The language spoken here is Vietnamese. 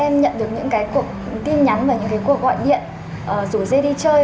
em nhận được những tin nhắn và những cuộc gọi điện dù dê đi chơi